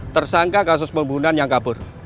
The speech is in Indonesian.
tersangka kasus pembunuhan yang kabur